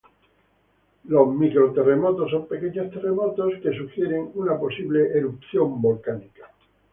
Los micro terremotos son pequeños terremotos que sugieren una posible erupción volcánica.